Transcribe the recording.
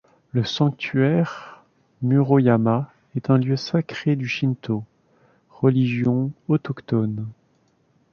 Le sanctuaire Muroyama est un lieu sacré du shintō, religion autochtone.